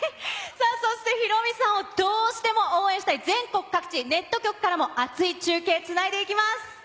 そして、ヒロミさんをどうしても応援したい全国各地ネット局からも熱い中継を繋いでいきます！